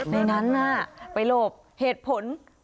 ในนั้นน่ะไปหลบเหตุผล